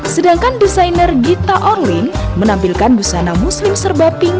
sedangkan desainer gita orlin menampilkan busana muslim serba pink